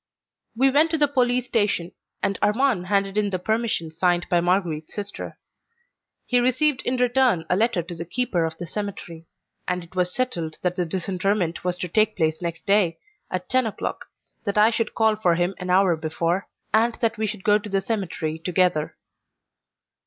We went to the police station, and Armand handed in the permission signed by Marguerite's sister. He received in return a letter to the keeper of the cemetery, and it was settled that the disinterment was to take place next day, at ten o'clock, that I should call for him an hour before, and that we should go to the cemetery together.